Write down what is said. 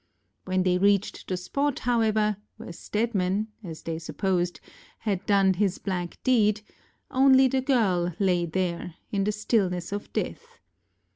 When they reached the spot, however, where Stedman (as they supposed) had done his black deed, only the girl lay there, in the stillness of death.